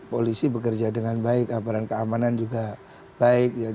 polisi bekerja dengan baik kabaran keamanan juga baik